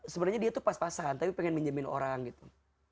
sebenarnya dia tuh pas pasan tapi pengen minjemin orang gitu